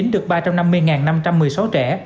chín được ba trăm năm mươi năm trăm một mươi sáu trẻ